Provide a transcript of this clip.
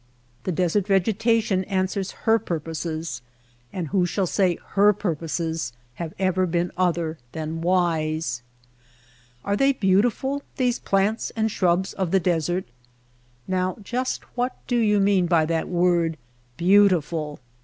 The desert vegetation answers her purposes and who shall say her purposes have ever been other than wise ? Are they beautiful these plants and shrubs of the desert ? Now just what do you mean by that word '* beautiful '^